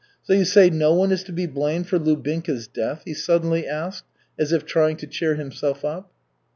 "So you say no one is to be blamed for Lubinka's death?" he suddenly asked, as if trying to cheer himself up.